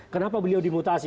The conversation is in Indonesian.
kenapa beliau dimutasi